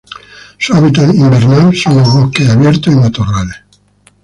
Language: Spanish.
Su hábitat invernal son los bosques abiertos y matorrales.